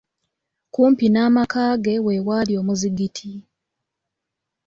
Kumpi n'amaka ge we waali omuzigiti.